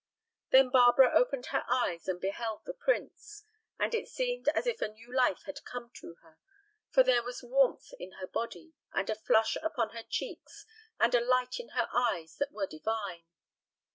Then Barbara opened her eyes and beheld the prince. And it seemed as if a new life had come to her, for there was warmth in her body, and a flush upon her cheeks and a light in her eyes that were divine.